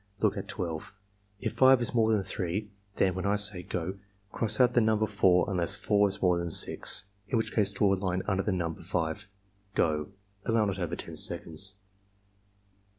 Look at 12. If 5 is more than 3, then (when I say 'go') cross out the number 4 unless 4 is more than 6, in which case draw a hne under the number 5. — Go!" (Allow not over 10 seconds.)